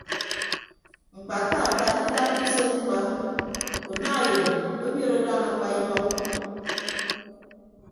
Ñkpataatat itatta usen ñkpa una eyịn obiot adan akpa ibọk.